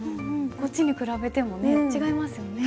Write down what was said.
こっちに比べてもね違いますよね。